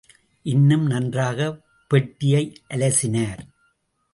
இன்னும் நன்றாகப் பெட்டியை அலசினார்.